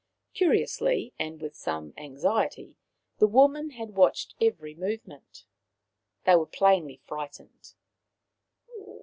Curiously, and with some anxiety, the women had watched every movement. They were plainly frightened.